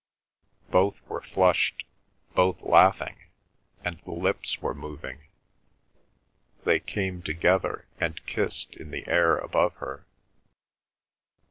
Both were flushed, both laughing, and the lips were moving; they came together and kissed in the air above her.